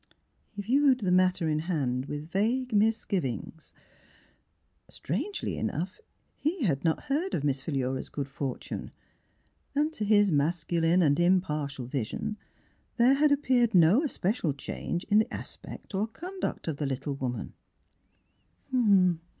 He viewed the matter in hand with vague misgivings. Strangely enough, he had not heard of Miss Philura's good fortune, and to his masculine and impartial vision there had appeared no especial change in the aspect or conduct of the the little woman.